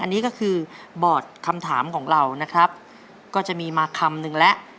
อันนี้ก็คือบอร์ดคำถามของเรานะครับก็จะมีมาคำนึงแล้ว